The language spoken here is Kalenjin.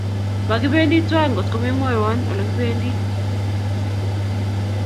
Makipendi twai ngotko memwowon ole kipendi